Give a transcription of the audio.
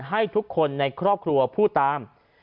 ให้ทุกคนในครอบครัวพูดตาม